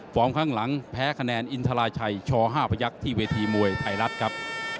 ข้างหลังแพ้คะแนนอินทราชัยช๕พยักษ์ที่เวทีมวยไทยรัฐครับ